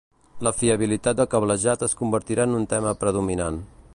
La fiabilitat del cablejat es convertirà en un tema predominant.